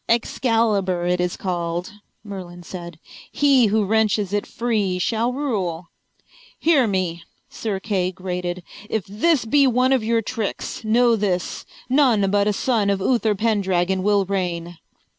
"Excalibur it is called," Merlin said. "He who wrenches it free shall rule." "Hear me," Sir Kay grated. "If this be one of your tricks, know this: none but a son of Uther Pendragon will reign."